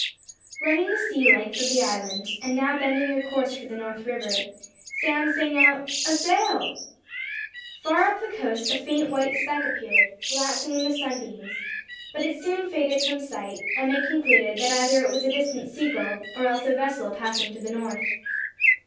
Running the sea length of the island, and now bending their course for the north river, Sam sang out, "A sail!" Far up the coast a faint white speck appeared, glancing in the sunbeams, but it soon faded from sight, and they concluded that either it was a distant sea gull, or else a vessel passing to the north.